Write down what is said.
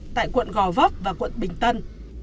tại quận gò vóc và quận bình tân